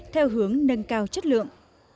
theo hướng nâng cao chất lượng